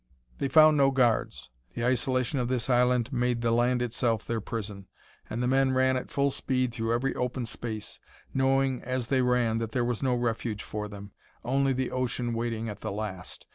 They found no guards; the isolation of this island made the land itself their prison, and the men ran at full speed through every open space, knowing as they ran that there was no refuge for them only the ocean waiting at the last.